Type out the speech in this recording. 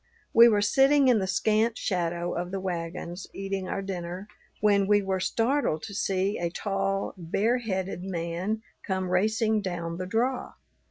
We were sitting in the scant shadow of the wagons eating our dinner when we were startled to see a tall, bare headed man come racing down the draw.